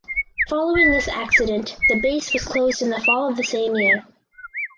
Following this accident the base was closed in the fall of the same year.